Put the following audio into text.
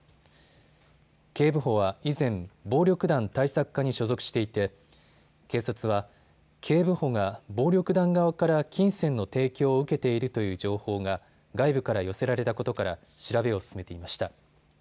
警部補は以前、暴力団対策課に所属していて警察は警部補が暴力団側から金銭の提供を受けているという情報が外部から寄せられたことから調べを進めていました。